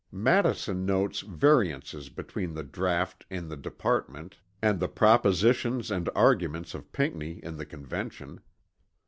Madison notes "variances" between the draught in the Department and the propositions and arguments of Pinckney in the Convention.